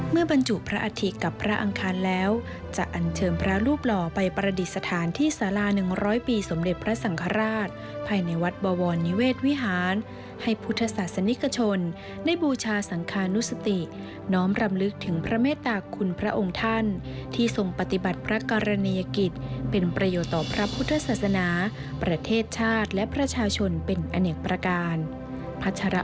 บรรจุพระอาทิตกับพระอังคารแล้วจะอันเชิญพระรูปหล่อไปประดิษฐานที่สารา๑๐๐ปีสมเด็จพระสังฆราชภายในวัดบวรนิเวศวิหารให้พุทธศาสนิกชนได้บูชาสังคานุสติน้อมรำลึกถึงพระเมตตาคุณพระองค์ท่านที่ทรงปฏิบัติพระกรณียกิจเป็นประโยชน์ต่อพระพุทธศาสนาประเทศชาติและประชาชนเป็นอเนกประการ